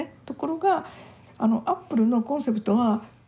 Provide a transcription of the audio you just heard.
ところがアップルのコンセプトは。